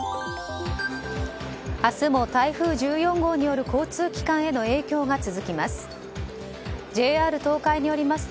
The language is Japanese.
明日も台風１４号による交通機関への影響が続きます。